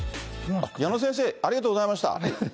矢野先生、ありがとうございました。